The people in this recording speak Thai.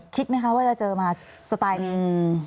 คิดไหมคะว่าจะเจอมาสไตล์นี้